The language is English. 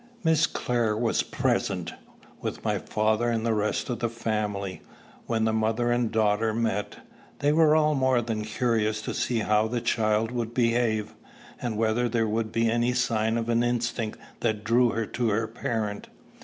Miss Clare was present, with my father and the rest of the family, when the mother and daughter met. They were all more than curious to see how the child would behave, and whether there would be any signs of an instinct that drew her to her parent.